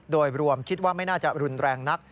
โดยรวมคิดว่าไม่น่าจะรุนแรงนัก